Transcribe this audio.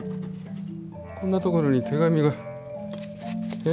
こんなところに手紙が。え？